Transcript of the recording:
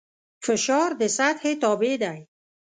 فشار د سطحې تابع دی.